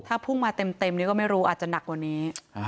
ถ้าพุ่งมาเต็มนี่ก็ไม่รู้อาจจะหนักกว่านี้